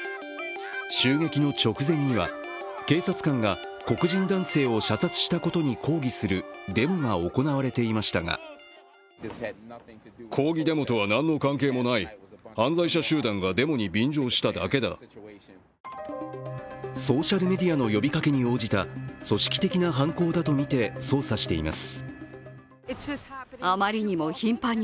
襲撃の直前には警察官が黒人男性を射殺したことに抗議するデモが行われていましたがソーシャルメディアの呼びかけに応じた組織的な犯行だとみて捜査しています。